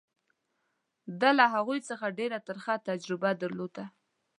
ده له هغوی څخه ډېره ترخه تجربه درلوده.